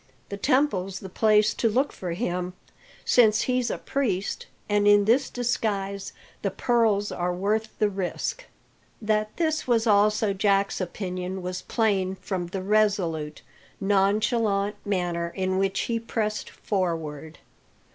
"The temple's the place to look for him, since he's a priest, and in this disguise the pearls are worth the risk." That this was also Jack's opinion was plain from the resolute, nonchalant manner in which he pressed forward.